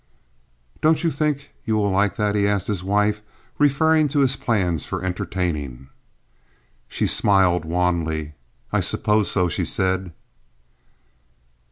"Don't you think you will like that?" he asked his wife, referring to his plans for entertaining. She smiled wanly. "I suppose so," she said.